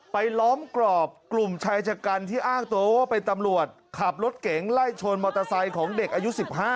ล้อมกรอบกลุ่มชายชะกันที่อ้างตัวว่าเป็นตำรวจขับรถเก๋งไล่ชนมอเตอร์ไซค์ของเด็กอายุ๑๕